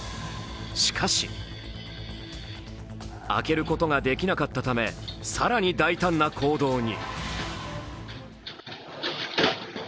しかし開けることができなかったため更に大胆な行動に。